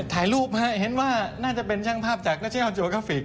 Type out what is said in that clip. ถ่ายรูปให้เห็นว่าน่าจะเป็นช่างภาพจากนักเชี่ยวจีโมกราฟิก